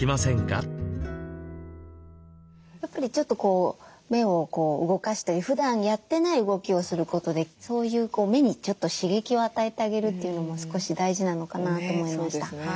やっぱりちょっとこう目を動かしたりふだんやってない動きをすることでそういう目にちょっと刺激を与えてあげるというのも少し大事なのかなと思いました。